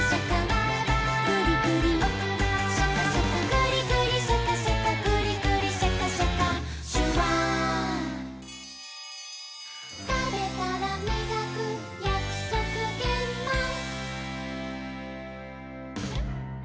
「グリグリシャカシャカグリグリシャカシャカ」「シュワー」「たべたらみがくやくそくげんまん」